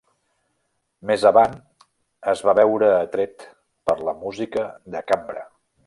Més avant es va veure atret per la música de cambra.